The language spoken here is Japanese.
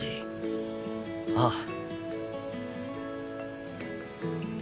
ああ。